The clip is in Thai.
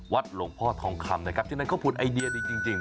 วัดหลวงพ่อทองคำเป็นที่นั่นเขาพูดไอเดียดีจริงจริง